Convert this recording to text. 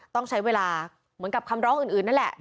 ต้องใช้เวลาเหมือนกับคำร้องอื่นนั่นแหละ